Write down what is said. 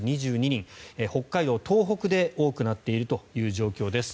北海道、東北で多くなっているという状況です。